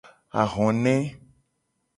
Ahone.